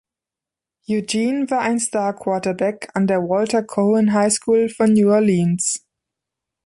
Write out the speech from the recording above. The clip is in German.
Eugene war ein Star-Quarterback an der Walter-Cohen-Highschool von New Orleans.